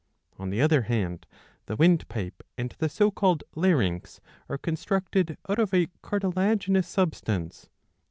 On the other hand the windpipe and the so called larynx are constructed out of a cartilaginous substance.